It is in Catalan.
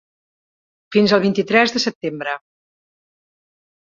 Fins al vint-i-tres de setembre.